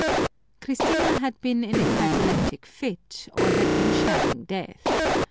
Christina had been in a cataleptic fit, or had been shamming death.